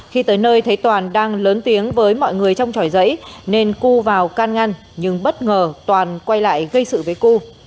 khi tới nơi thấy toàn đang lớn tiếng với mọi người trong tròi giấy nên cưu vào can ngăn nhưng bất ngờ toàn quay lại gây sự với cư